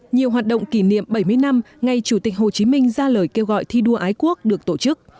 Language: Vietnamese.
nhiều hoạt động kỷ niệm bảy mươi năm ngày chủ tịch hồ chí minh ra lời kêu gọi thi đua ái quốc được tổ chức